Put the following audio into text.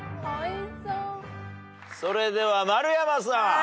それでは丸山さん。